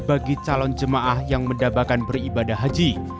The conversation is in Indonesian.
bagi calon jemaah yang mendabakan beribadah haji